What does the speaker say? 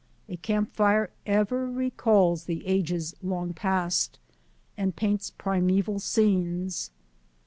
A camp fire ever recalls the ages long past, and paints primeval scenes.